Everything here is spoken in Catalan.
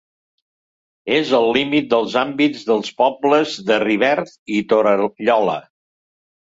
És al límit dels àmbits dels pobles de Rivert i Torallola.